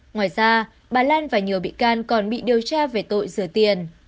ngoài ra bà lan và nhiều bị can còn bị điều tra về tội rửa tiền